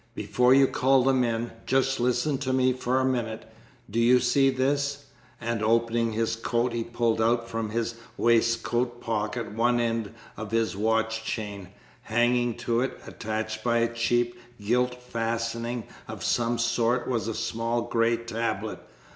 "Before you call them in, just listen to me for a minute. Do you see this?" And, opening his coat, he pulled out from his waistcoat pocket one end of his watch chain. Hanging to it, attached by a cheap gilt fastening of some sort, was a small grey tablet.